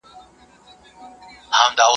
o هم ئې سوځي، هم ئې ورکوي.